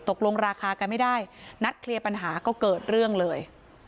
ตกลงราคากันไม่ได้นัดเคลียร์ปัญหาก็เกิดเรื่องเลย